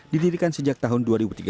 didirikan sejak tahun dua ribu tiga belas